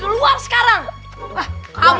itu gara gara kamu